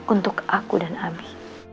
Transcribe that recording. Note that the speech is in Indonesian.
untuk aku dan abi